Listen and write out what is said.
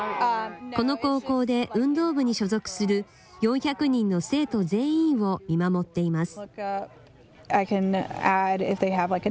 この高校で運動部に所属する４００人の生徒全員を見守っています。